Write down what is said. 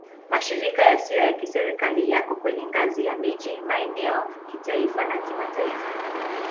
Mashirika yasiyo ya Kiserikali yako kwenye ngazi ya miji, maeneo, kitaifa na kimataifa.